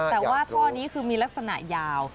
แต่ว่าท่อนี้คือมีลักษณะยาว